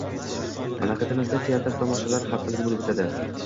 Mamlakatimizda Teatr tomoshalari haftaligi boʻlib oʻtadi